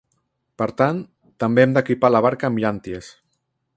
Per tant, també hem d'equipar la barca amb llànties.